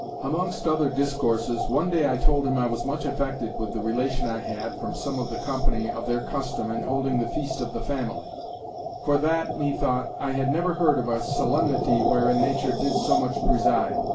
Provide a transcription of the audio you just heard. Amongst other discourses, one day I told him I was much affected with the relation I had, from some of the company, of their custom, in holding the Feast of the Family; for that (methought) I had never heard of a solemnity wherein nature did so much preside.